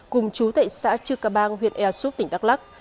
cùng chú tại xã chư cà bang huyện ea xuất tỉnh đắk lắc